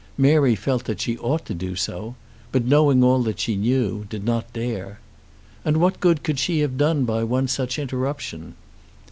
Mary felt that she ought to do so; but, knowing all that she knew, did not dare. And what good could she have done by one such interruption?